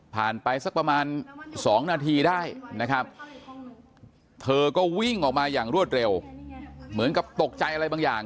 ไปสักประมาณ๒นาทีได้นะครับเธอก็วิ่งออกมาอย่างรวดเร็วเหมือนกับตกใจอะไรบางอย่าง